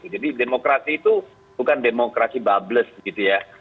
jadi demokrasi itu bukan demokrasi bables gitu ya